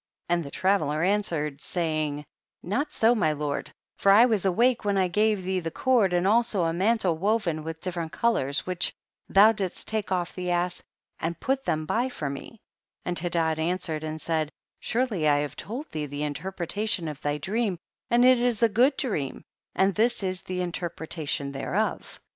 31. And the traveller answered^ saying, not so my lord, for I was awake when I gave thee the cord and also a mantle woven with differ ent colors, which thou didst take off the ass to put them hj for me ; and Hedad answered and said, surely I have told thee the interpretation of thy dream and it is a good dream^ and this is the interpretation there of.